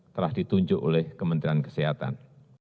telah ditunjuk oleh kementerian kesehatan